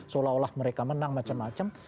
seolah olah mereka menang macam macam